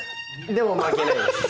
でも負けないです。